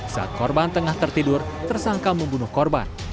saat korban tengah tertidur tersangka membunuh korban